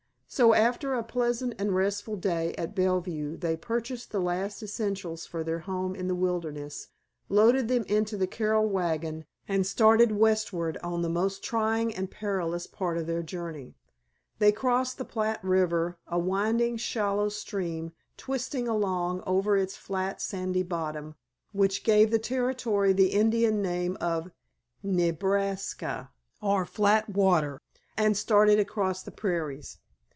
So after a pleasant and restful day at Bellevue they purchased the last essentials for their home in the wilderness, loaded them into the Carroll wagon, and started westward on the most trying and perilous part of their journey. They crossed the Platte River, a winding, shallow stream twisting along over its flat sandy bottom, which gave the Territory the Indian name of "Ne bras kah," or "Flat Water," and started across the prairies.